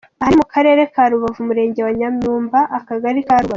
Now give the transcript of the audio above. Aha ni mu karere ka Rubavu umurenge wa Nyamyumba akagari ka Rubona.